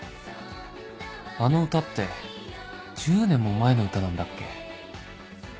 あの歌って１０年も前の歌なんだっけ